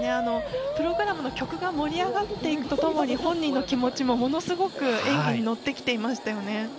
プログラムの曲が盛り上がっていくとともに本人の気持ちもものすごく演技に乗ってきていましたよね。